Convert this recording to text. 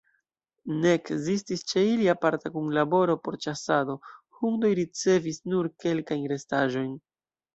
Ne ekzistis ĉe ili aparta kunlaboro por ĉasado, hundoj ricevis nur kelkajn restaĵojn.